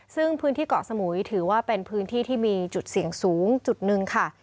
ซึ่งพื้นที่เกาะสมุยถือว่าเป็นพื้นที่ที่มีจุดเสี่ยงสูงจุดหนึ่งค่ะ